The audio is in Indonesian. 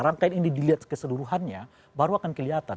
rangkaian ini dilihat keseluruhannya baru akan kelihatan